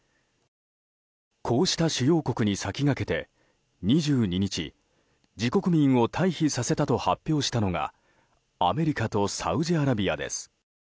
こうした主要国に先駆けて２２日自国民を退避させたと発表したのがアメリカとサウジアラビアです。